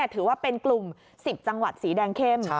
ถือว่าเป็นกลุ่ม๑๐จังหวัดสีแดงเข้ม